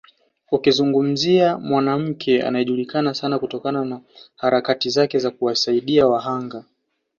Ukizungumzia mwanamke anajulikana sana kutokana na harakati zake za kuwasaidia wahanga